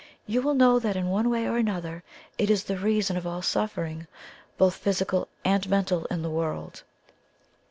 You will know that in one way or another it is the reason of all suffering, both physical and mental, in the world."